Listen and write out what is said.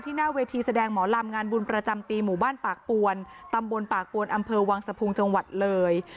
หน้าเวทีแสดงหมอลำงานบุญประจำปีหมู่บ้านปากปวนตำบลปากปวนอำเภอวังสะพุงจังหวัดเลย